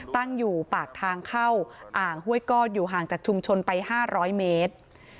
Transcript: ตั้งอยู่ปากทางเข้าอ่างห้วยก้อนอยู่ห่างจากชุมชนไป๕๐๐เมตร